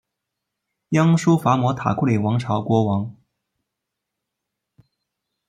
鸯输伐摩塔库里王朝国王。